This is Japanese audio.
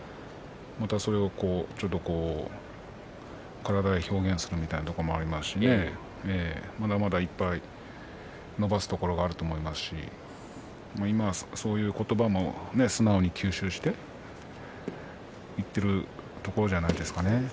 それが体で表現するところもありますしまだまだいっぱい伸ばすところがあると思いますし今は、そういう言葉も素直に吸収していってるところじゃないですかね。